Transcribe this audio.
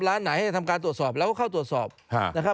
ร้านไหนทำการตรวจสอบเราก็เข้าจะตรวจสอบนะครับ